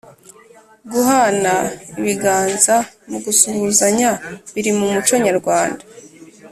guhana ibiganza mu gusuhuzanya biri mu muco nyarwanda